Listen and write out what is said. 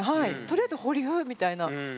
とりあえず保留みたいな。